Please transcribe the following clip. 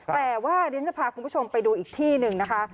แต่ว่าเดี๋ยวจะพาคุณผู้ชมไปดูอีกที่หนึ่งนะคะ